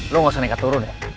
lo gak usah naik atau turun ya